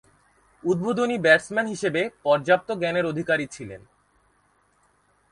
উদ্বোধনী ব্যাটসম্যান হিসেবে পর্যাপ্ত জ্ঞানের অধিকারী ছিলেন।